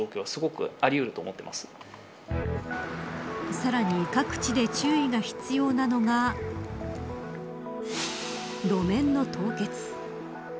さらに各地で注意が必要なのが路面の凍結。